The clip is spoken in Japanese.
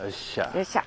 よっしゃ。